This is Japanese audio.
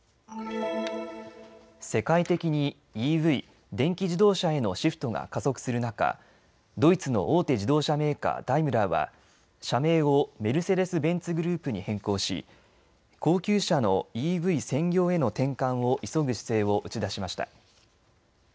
世界的にＥＶ・電気自動車へのシフトが加速する中、ドイツの大手自動車メーカー、ダイムラーは社名をメルセデス・ベンツグループに変更し高級車のＥＶ専業への転換を急ぐ姿勢を打ち出しました。